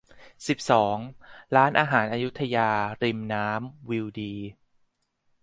สิบสอง ร้านอาหารอยุธยา ริมน้ำ วิวดี